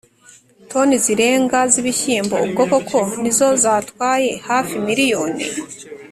toni zirenga z’ibishyimbo ubwo koko nizo zatwaye hafi miriyoni